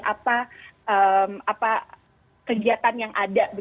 apa kegiatan yang ada